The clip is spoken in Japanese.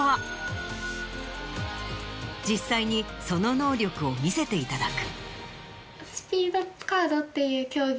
実際にその能力を見せていただく。